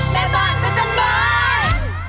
แม่บ้านพัชชั้นบ้าน